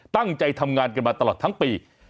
ตั้งใจทำงานกันมาตลอดทั้งปี